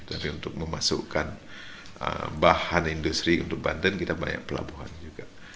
tapi untuk memasukkan bahan industri untuk banten kita banyak pelabuhan juga